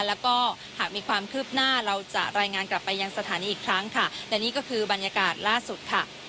แล้วก็หากมีความคืบหน้าเราจะรายงานกลับไปยังสถานีอีกครั้งค่ะและนี่ก็คือบรรยากาศล่าสุดค่ะ